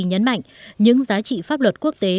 nhấn mạnh những giá trị pháp luật quốc tế